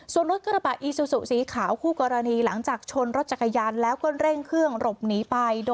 ส่วนรถกระบะอีซูซูสีขาวคู่กรณีหลังจากชนรถจักรยานแล้วก็เร่งเครื่องหลบหนีไป